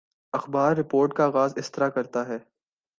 اخبار رپورٹ کا آغاز اس طرح کرتا ہے